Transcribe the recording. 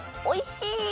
おいしい！